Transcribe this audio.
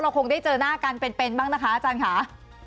คงได้เจอหน้ากันเป็นบ้างนะคะอาจารย์ค่ะ